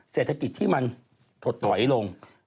เศรษฐกิจที่มันถดถอยลง